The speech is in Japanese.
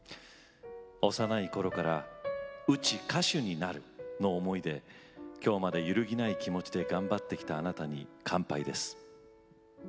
幼いころから『うち歌手になる』の思いで今日まで揺るぎない気持ちで頑張ってきたあなたに乾杯です。